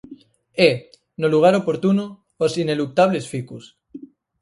E, no lugar oportuno, os ineluctables ficus.